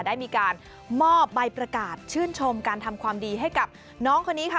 ได้มีการมอบใบประกาศชื่นชมการทำความดีให้กับน้องคนนี้ค่ะ